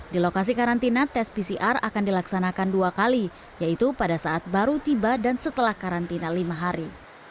di lokasi karantina tes pcr akan dilaksanakan dua kali yaitu pada saat baru tiba dan setelah karantina lima hari